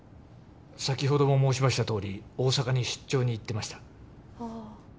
先ほども申しましたとおり大阪に出張に行ってましたああ